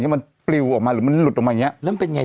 มันปลิวออกมาหรือมันหลุดออกมาอย่างงี้